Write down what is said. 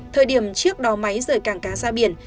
thời điểm chiếc đò máy rời cảng cá ra biển